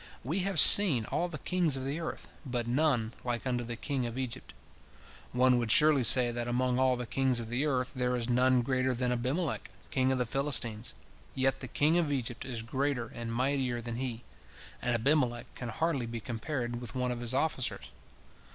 We have seen all the kings of the earth, but none like unto the king of Egypt. One would surely say that among all the kings of the earth there is none greater than Abimelech king of the Philistines, yet the king of Egypt is greater and mightier than he, and Abimelech can hardly be compared with one of his officers.